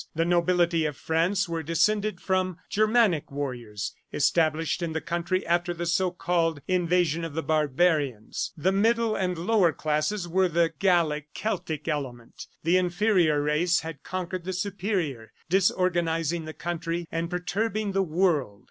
The nobility of France were descended from Germanic warriors established in the country after the so called invasion of the barbarians. The middle and lower classes were the Gallic Celtic element. The inferior race had conquered the superior, disorganizing the country and perturbing the world.